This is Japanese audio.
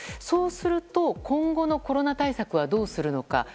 そうすると今後のコロナ対策はどうするのか。